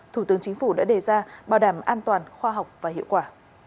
thủ tướng chính phủ đã đề ra bảo đảm an toàn khoa học và hiệu quả